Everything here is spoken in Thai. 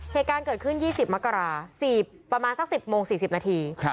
เหตุการณ์เกิดขึ้น๒๐มกราประมาณสัก๑๐โมง๔๐นาที